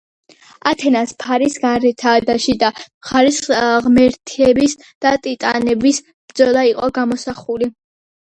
ათენას ფარის გარეთა და შიდა მხარეს ღმერთების და ტიტანების ბრძოლა იყო გამოსახული.